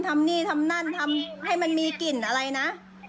ทำนี่ทำนั่นทำให้มันมีกลิ่นอะไรนะ